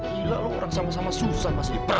gila orang sama sama susah masih diperas juga